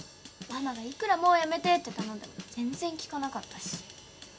ママがいくらもうやめてって頼んでも全然聞かなかったし。